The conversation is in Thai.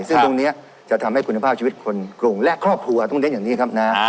ซึ่งตรงนี้จะทำให้คุณภาพชีวิตคนกรุงและครอบครัวต้องเน้นอย่างนี้ครับนะ